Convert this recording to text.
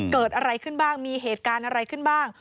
เกิดอะไรขึ้นบ้างมีเหตุการณ์อะไรขึ้นบ้าง